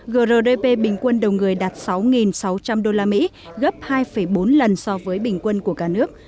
grdp bình quân đầu người đạt sáu sáu trăm linh usd gấp hai bốn lần so với bình quân của cả nước